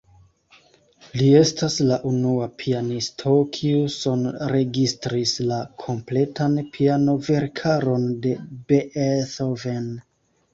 Li estas la unua pianisto, kiu sonregistris la kompletan piano-verkaron de Beethoven.